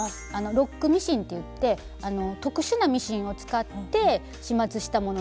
「ロックミシン」といって特殊なミシンを使って始末したものなんですけども。